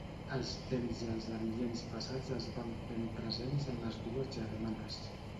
Els temps i els ambients passats es van fent presents en les dues germanes.